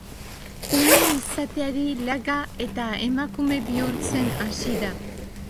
Ume izateari laga eta emakume bihurtzen hasi da.